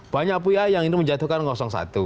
banyak pihak yang ingin menjatuhkan satu